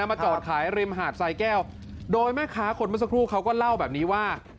แล้วก็มาจอดขายริมหาดไซแก้วโดยแม่ค้าขนมาสักครู่เขาก็เล่าแบบนี้ว่า